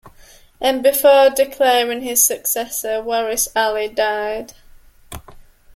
And before declaring his successor Waris Ali died.